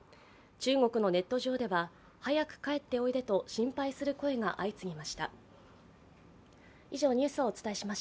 中国のネット上では早く帰っておいでと心配する声が相次ぎました。